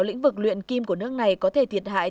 lĩnh vực luyện kim của nước này có thể thiệt hại